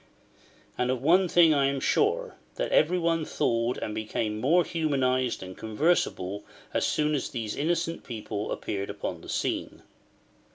And of one thing I am sure: that every one thawed and became more humanised and conversible as soon as these innocent people appeared upon the scene.